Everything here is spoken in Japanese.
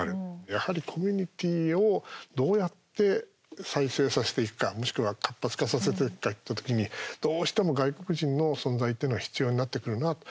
やはりコミュニティーをどうやって再生させていくかもしくは活発化させていくかっていった時に、どうしても外国人の存在っていうのは必要になってくるなと。